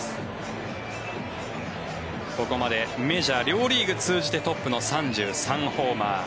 ここまでメジャー両リーグ通じてトップの３３ホーマー。